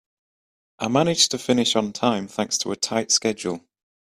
I managed to finish on time thanks to a tight schedule.